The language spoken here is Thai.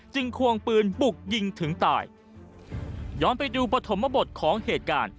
ควงปืนบุกยิงถึงตายย้อนไปดูปฐมบทของเหตุการณ์